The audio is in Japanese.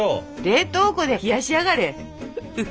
冷凍庫で冷やしやがれ。